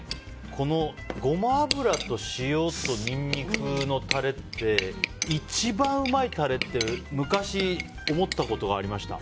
このゴマ油と塩とニンニクのタレって一番うまいタレって昔、思ったことがありました。